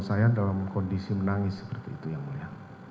saya dalam kondisi menangis seperti itu yang mulia